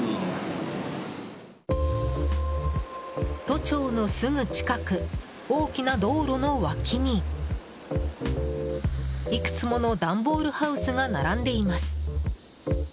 都庁のすぐ近く大きな道路の脇に、いくつもの段ボールハウスが並んでいます。